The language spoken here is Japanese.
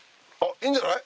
・いいんじゃない！